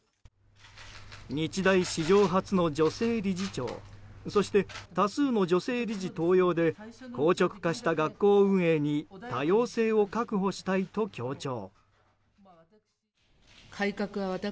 日大史上初の女性理事長そして多数の女性理事登用で硬直化した学校運営に多様性を確保したいと強調。